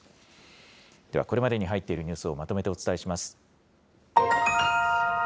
では、これまでに入っているニュースをまとめてお伝えします。